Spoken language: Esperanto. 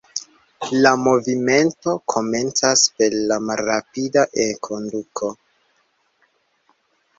La movimento komencas per malrapida enkonduko.